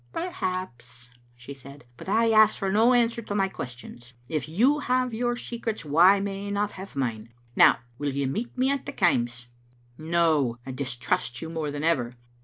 "Perhaps," she said; "but I ask for no answer to my questions. If you have your secrets, why may I not have mine? Now will you meet me at the Kaims?" "No; I distrust you more than ever.